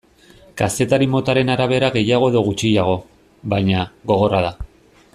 Kazetari motaren arabera gehiago edo gutxiago, baina, gogorra da.